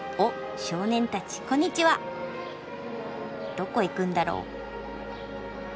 どこ行くんだろう？